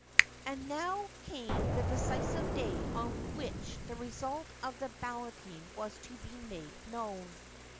And now came the decisive day on which the result of the balloting was to be made known.